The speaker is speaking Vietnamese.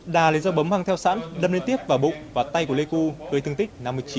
đà lấy do bấm hăng theo sẵn đâm lên tiếc và bụng vào tay của lê cưu gây thương tích năm mươi chín